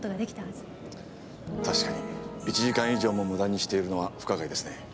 確かに１時間以上も無駄にしているのは不可解ですね。